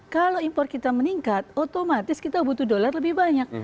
kalau impor kita meningkat otomatis kita butuh dolar lebih banyak